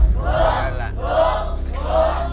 ที่